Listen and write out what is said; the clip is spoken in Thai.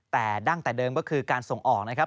แต่ดั้งแต่เดิมก็คือการส่งออกนะครับ